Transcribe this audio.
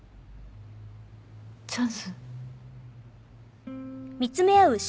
チャンス？